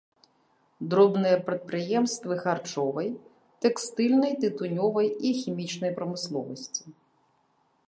Дробныя прадпрыемствы харчовай, тэкстыльнай, тытунёвай і хімічнай прамысловасці.